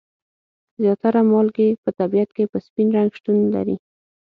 زیاتره مالګې په طبیعت کې په سپین رنګ شتون لري.